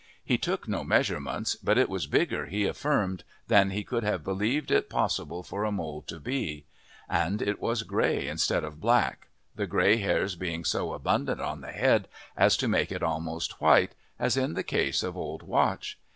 He took no measurements, but it was bigger, he affirmed, than he could have believed it possible for a mole to be. And it was grey instead of black, the grey hairs being so abundant on the head as to make it almost white, as in the case of old Watch.